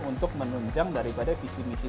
untuk menunjang daripada visi misi